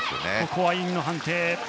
ここはインの判定。